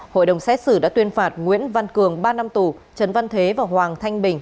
hội đồng xét xử đã tuyên phạt nguyễn văn cường ba năm tù trần văn thế và hoàng thanh bình